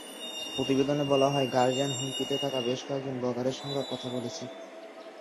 প্রতিবেদনে বলা হয়, গার্ডিয়ান হুমকিতে থাকা বেশ কয়েকজন ব্লগারের সঙ্গে কথা বলেছে।